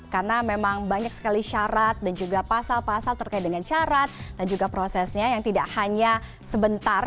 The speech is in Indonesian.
karena memang banyak sekali syarat dan juga pasal pasal terkait dengan syarat dan juga prosesnya yang tidak hanya sebentar